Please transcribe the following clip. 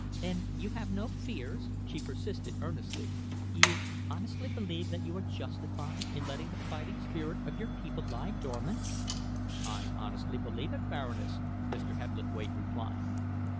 "And you have no fears?" she persisted earnestly. "You honestly believe that you are justified in letting the fighting spirit of your people lie dormant?" "I honestly believe it, Baroness," Mr. Hebblethwaite replied.